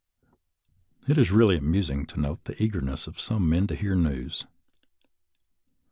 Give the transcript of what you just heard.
It is really amusing to note the eagerness of some men to hear news.